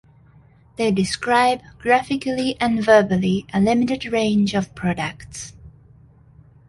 They describe, graphically and verbally, a limited range of products.